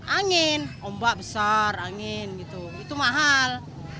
angin ombak besar angin gitu itu mahal